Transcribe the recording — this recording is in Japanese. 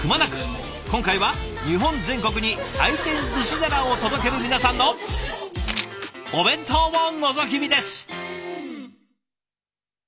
今回は日本全国に回転寿司皿を届ける皆さんのお弁当をのぞき見です！